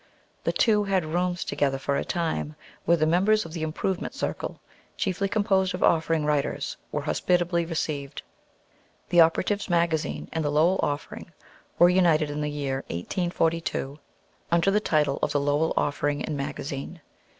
The two had rooms together for a time, where the members of the "Improvement Circle," chiefly composed of "Offering" writers, were hospitably received. The "Operatives' Magazine" and the "Lowell Offering" were united in the year 1842, under the title of the "Lowell Offering and Magazine."